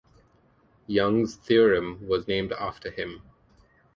Young's Theorem was named after him.